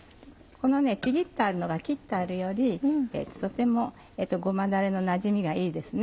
このちぎってあるのが切ってあるよりとてもごまだれのなじみがいいですね。